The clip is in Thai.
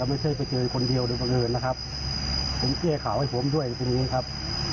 ไม่ใช่ไปเจอคนเดียวเดี๋ยวกันอื่นนะครับผมเชื่อข่าวให้ผมด้วยอย่างที่นี้ครับ